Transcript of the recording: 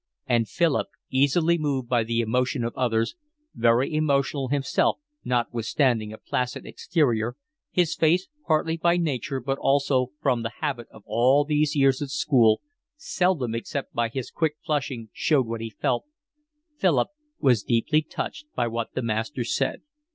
And Philip, easily moved by the emotion of others, very emotional himself notwithstanding a placid exterior—his face, partly by nature but also from the habit of all these years at school, seldom except by his quick flushing showed what he felt—Philip was deeply touched by what the master said.